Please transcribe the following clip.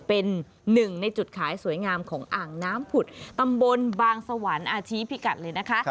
เป็นหนึ่งในจุดขายสวยงามของอ่างน้ำผุดตำบลบางสวรรค์อาชี้พิกัดเลยนะคะ